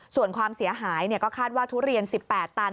ส่วนความเสียหายก็คาดว่าทุเรียน๑๘ตัน